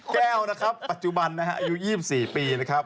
แก้วนะครับปัจจุบันนะฮะอายุ๒๔ปีนะครับ